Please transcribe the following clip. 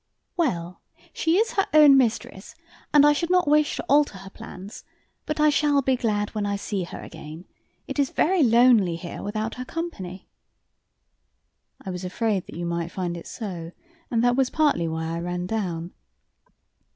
"Well, she is her own mistress, and I should not wish to alter her plans, but I shall be glad when I see her again. It is very lonely here without her company." "I was afraid that you might find it so, and that was partly why I ran down.